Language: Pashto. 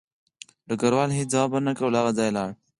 ډګروال هېڅ ځواب ورنکړ او له هغه ځایه لاړ